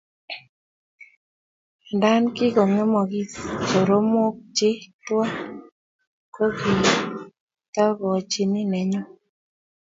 Anda kikakong'emogis soromookchi tuwai, ko kitokochini nenyu.